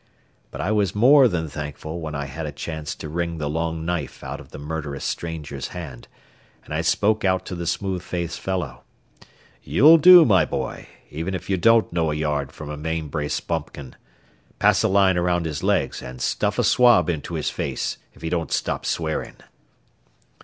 But I was more than thankful when I had a chance to wring the long knife out of the murderous stranger's hand, and I spoke out to the smooth faced fellow. "You'll do, my boy, even if you don't know a yard from a main brace bumpkin. Pass a line around his legs and stuff a swab into his mouth if he don't stop swearing."